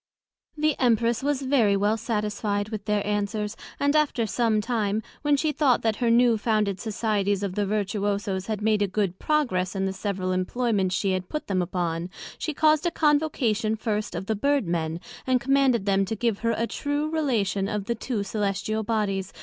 The Empress was very well satisfied with their answers; and after some time, when she thought that her new founded societies of the Vertuoso's had made a good progress in the several Employments she had put them upon, she caused a Convocation first of the Bird men, and commanded them to give her a true relation of the two Cœlestial Bodies, viz.